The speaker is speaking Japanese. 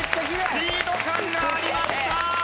スピード感がありました！